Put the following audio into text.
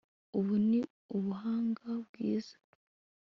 ubu ni ubuhanga bwiza